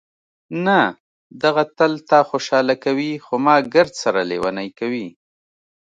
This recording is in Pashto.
نه، دغه تل تا خوشحاله کوي، خو ما ګردسره لېونۍ کوي.